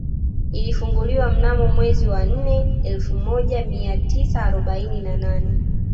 Ilifunguliwa mnamo mwezi wa nne elfu moja mia tisa arobaini na nane